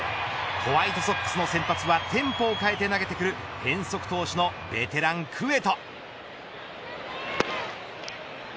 ホワイトソックスの先発はテンポを変えて投げてくる変則投手のベテラン、クエト。